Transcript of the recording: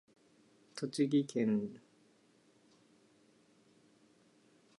栃木県那珂川町